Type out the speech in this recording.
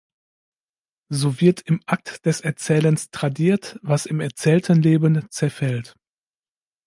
So wird im Akt des Erzählens tradiert, was im erzählten Leben „zerfällt“.